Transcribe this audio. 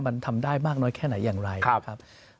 มันทำได้มากน้อยแค่ไหนอย่างไรนะครับ